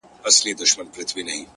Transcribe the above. • يوه ورځ كندو ته تلمه بېخبره,